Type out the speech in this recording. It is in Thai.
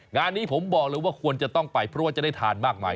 งานนี้ผมบอกเลยว่าควรจะต้องไปเพราะว่าจะได้ทานมากมาย